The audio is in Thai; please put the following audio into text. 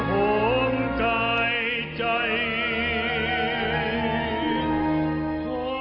ไม่เครื่องแค้นน้อยใจในโชคตา